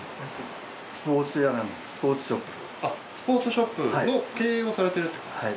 スポーツショップの経営をされてるってことですか？